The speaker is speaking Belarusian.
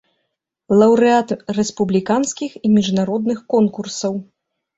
Лаўрэат рэспубліканскіх і міжнародных конкурсаў.